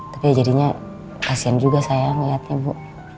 tapi jadinya kasihan juga saya ngelihatnya bu